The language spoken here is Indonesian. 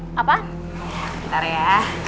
itu apa ntar ya